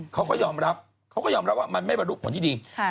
เขาก็ยอมรับว่ามันไม่บรรลุผลที่ดี